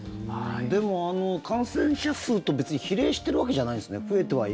でも感染者数と別に比例しているわけじゃないんですね。